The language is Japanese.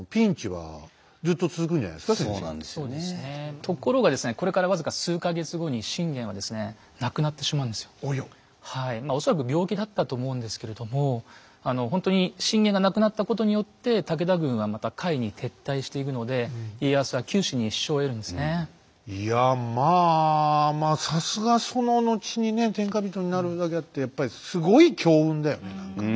ところがですねまあ恐らく病気だったと思うんですけれどもほんとに信玄が亡くなったことによっていやまあまあさすがその後に天下人になるだけあってやっぱりすごい強運だよね何かね。